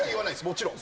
もちろん。